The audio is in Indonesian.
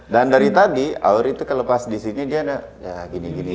dan dari tadi auri itu kelepas disini dia ada ya gini gini